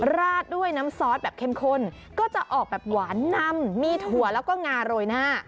ราดด้วยน้ำซอสแบบเข้มข้นก็จะออกแบบหวานนำมีถั่วแล้วก็งาโรยหน้า